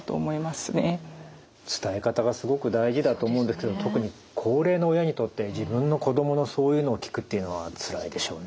伝え方がすごく大事だと思うんですけど特に高齢の親にとって自分の子供のそういうのを聞くっていうのはつらいでしょうね。